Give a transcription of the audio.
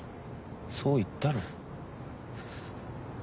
そう言ったろ。